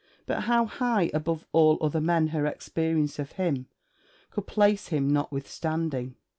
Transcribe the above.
But how high above all other men her experience of him could place him notwithstanding!